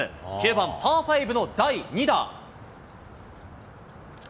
９番パー５の第２打。